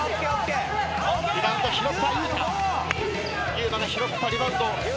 ゆうまが拾ったリバウンド。